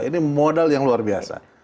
ini modal yang luar biasa